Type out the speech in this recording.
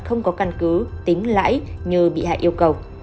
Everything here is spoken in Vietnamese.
không có căn cứ tính lãi như bị hại yêu cầu